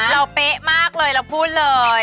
เป๊ะมากเลยเราพูดเลย